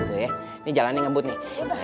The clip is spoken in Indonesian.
ini jalannya ngebut nih